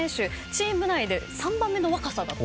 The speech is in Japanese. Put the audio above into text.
チーム内で３番目の若さだった。